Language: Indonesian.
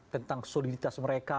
tentang soliditas mereka